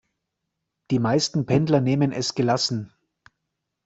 Die meisten Pendler nehmen es gelassen.